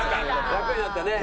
楽になったね。